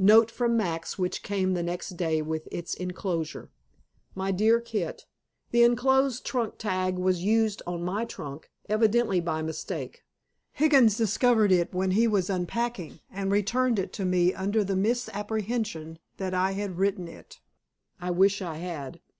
NOTE FROM MAX WHICH CAME THE NEXT DAY WITH ITS ENCLOSURE. My Dear Kit The enclosed trunk tag was used on my trunk, evidently by mistake. Higgins discovered it when he was unpacking and returned it to me under the misapprehension that I had written it. I wish I had.